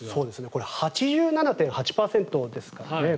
これ８７．８％ですからね。